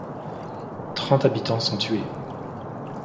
Trente habitants sont tués.